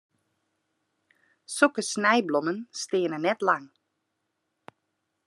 Sokke snijblommen steane net lang.